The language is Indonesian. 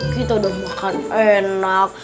kita udah makan enak